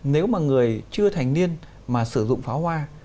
nếu mà người chưa thành niên mà sử dụng pháo hoa